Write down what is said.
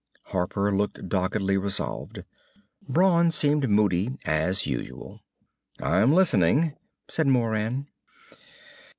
Harper looked doggedly resolved. Brawn seemed moody as usual. "I'm listening," said Moran.